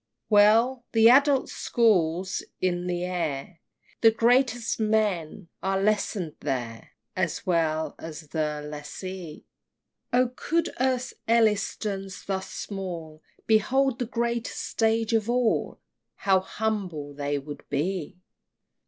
XXXII. Well! the Adults' School's in the air! The greatest men are lesson'd there As well as the Lessee! Oh could Earth's Ellistons thus small Behold the greatest stage of all, How humbled they would be!